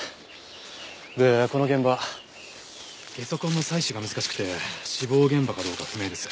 でこの現場ゲソ痕の採取が難しくて死亡現場かどうか不明です。